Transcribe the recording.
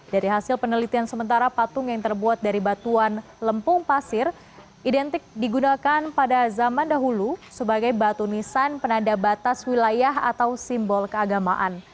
dari hasil penelitian sementara patung yang terbuat dari batuan lempung pasir identik digunakan pada zaman dahulu sebagai batu nisan penanda batas wilayah atau simbol keagamaan